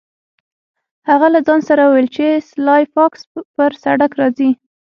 هغه له ځان سره وویل چې سلای فاکس پر سړک راځي